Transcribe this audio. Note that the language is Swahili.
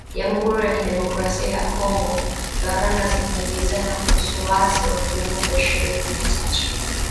Jamuhuri ya Kidemokrasia ya Kongo na Rwanda zajibizana kuhusu waasi wa vuguvugu ya ishirini na tatu